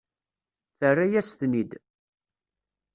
Terra-yas-ten-id.